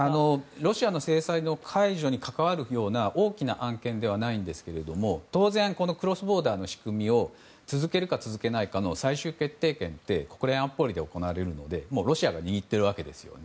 ロシアの制裁の解除に関わるような大きな案件ではないんですが当然、クロスボーダーの仕組みを続けるか、続けないかの最終決定権は国連安保理で行われるのでロシアが握っているわけですね。